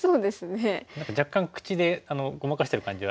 何か若干口でごまかしてる感じは。